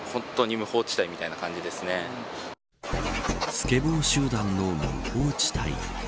スケボー集団の無法地帯。